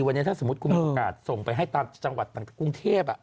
วันนี้สมมติว่าผู้ประการส่งไปให้ตามจังหวัดกรุงเทพฯอ่ะ